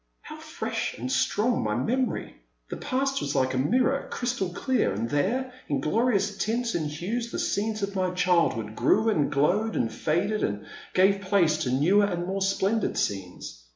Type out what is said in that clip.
How fresh and strong my memory ! The past was like a mirror, crystal clear, and there, in glorious tints and hues, the scenes of my childhood grew and glowed and faded, and gave place to newer and more splendid scenes.